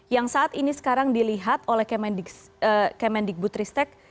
yang saat ini sekarang dilihat oleh kemendikbud ristek